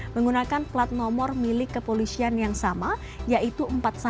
menggunakan plat nomor milik kepolisian yang sama yaitu empat ratus sembilan belas ribu enam ratus tujuh